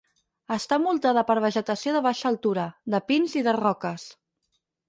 Està envoltada per vegetació de baixa altura, de pins i de roques.